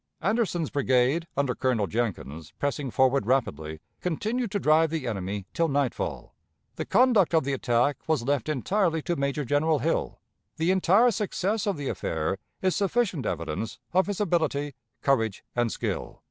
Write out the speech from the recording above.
Anderson's brigade, under Colonel Jenkins, pressing forward rapidly, continued to drive the enemy till nightfall. ... The conduct of the attack was left entirely to Major General Hill. The entire success of the affair is sufficient evidence of his ability, courage, and skill."